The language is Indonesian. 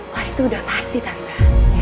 wah itu udah pasti tanda